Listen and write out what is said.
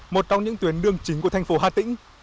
một trong những tuyến đường chính của thành phố hà tĩnh